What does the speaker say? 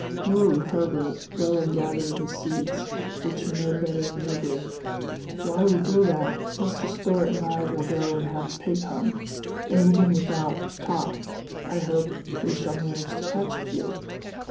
"You, Herbert, go and gather the seeds, which you know better than we do. While you do that, Mr. Spilett and I will go and have a pig hunt, and even without Top I hope we shall manage to catch a few!"